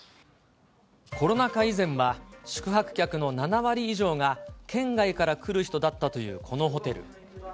コロナ禍以前は宿泊客の７割以上が、県外から来る人だったというこのホテル。